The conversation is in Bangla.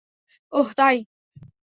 অহ, তাই?